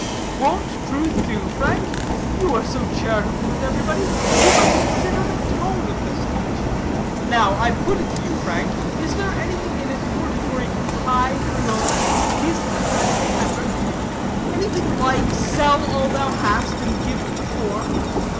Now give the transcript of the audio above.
"Won't truth do, Frank? You are so charitable with everybody, do but consider the tone of the speech. Now I put it to you, Frank; is there anything in it hortatory to high, heroic, disinterested effort? Anything like 'sell all thou hast and give to the poor?'